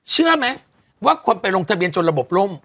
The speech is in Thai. เชื่อไหมว่าคนไปลงทะเบียนจนระบบล่ม